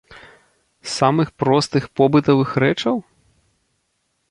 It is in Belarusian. З самых простых побытавых рэчаў?